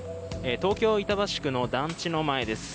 東京・板橋区の団地の前です。